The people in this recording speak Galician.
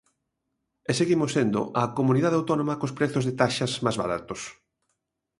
E seguimos sendo a comunidade autónoma cos prezos de taxas máis baratos.